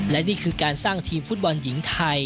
และนี่คือการสร้างทีมฟุตบอลหญิงไทย